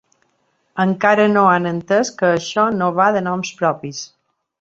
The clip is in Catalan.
Encara no han entès que això no va de noms propis.